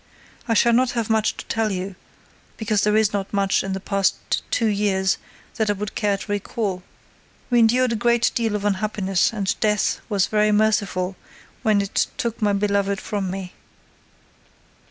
I shall not have much to tell you, because there is not much in the past two years that I would care to recall. We endured a great deal of unhappiness and death was very merciful when it took my beloved from me.